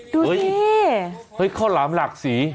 ดูสิเฮ้ยข้าวหลามหลักสี